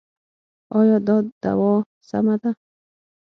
ایا دا دوا سمه ده؟